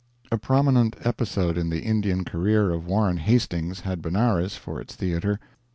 A prominent episode in the Indian career of Warren Hastings had Benares for its theater.